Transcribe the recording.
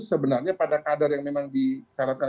sebenarnya pada kadar yang memang disaratkan